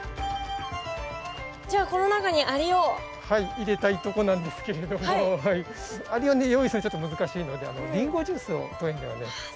入れたいとこなんですけれどもアリを用意するのはちょっと難しいのでリンゴジュースを当園ではね。